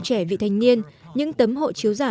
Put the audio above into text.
trẻ vị thanh niên những tấm hộ chiếu giả